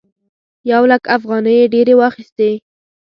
یو لک افغانۍ یې ډېرې واخيستې.